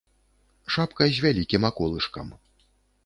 Шапка з вялікім аколышкам.